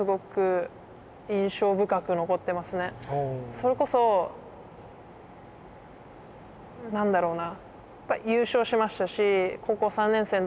それこそ何だろうな